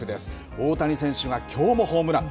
大谷選手がきょうもホームラン。